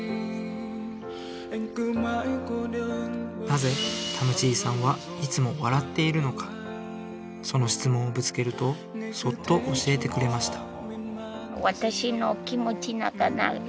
なぜタム・チーさんはいつも笑っているのかその質問をぶつけるとそっと教えてくれました